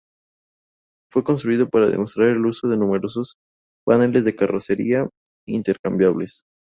Fue construido para demostrar el uso de numerosos paneles de carrocería intercambiables.